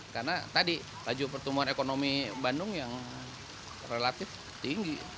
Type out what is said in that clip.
karena tadi laju pertumbuhan ekonomi bandung yang relatif tinggi